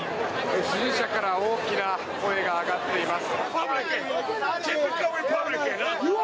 支持者から大きな声が上がっています。